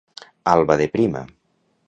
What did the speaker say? Alba de prima.